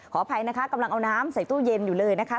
อภัยนะคะกำลังเอาน้ำใส่ตู้เย็นอยู่เลยนะคะ